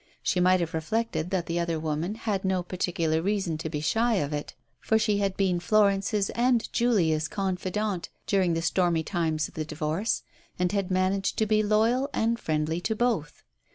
She might have reflected that the other woman had no particular reason to be shy of it, for she had been Florence's and Julia's confidante during the stormy times of the divorce and had managed to be loyal and friendly to both.